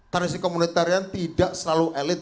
tradisi komunitarian tidak selalu elit